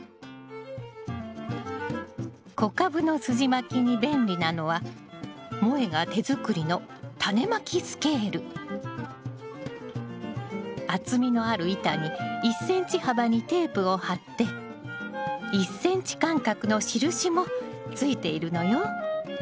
小株のすじまきに便利なのはもえが手作りの厚みのある板に１ｃｍ幅にテープを貼って１ｃｍ間隔の印もついているのよ。